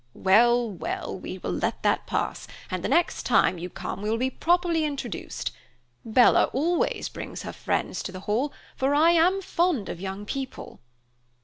"Well, well, we will let that pass, and the next time you come we will be properly introduced. Bella always brings her friends to the Hall, for I am fond of young people."